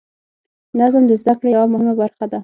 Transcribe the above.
نظم د زده کړې یوه مهمه برخه وه.